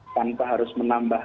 tanpa harus menambah